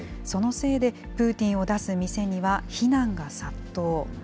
そのせいでプーティンを出す店には非難が殺到。